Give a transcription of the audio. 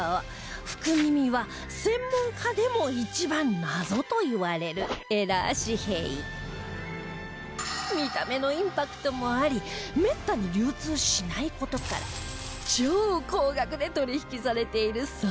福耳は専門家でも一番謎といわれるエラー紙幣見た目のインパクトもありめったに流通しない事から超高額で取引されているそうです